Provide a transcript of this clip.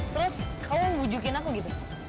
terus kamu bujukin aku gitu